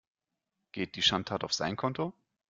Geht die Schandtat auf sein Konto?